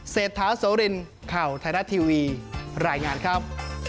เศรษฐาโสรินข่าวไทยรัฐทีวีรายงานครับ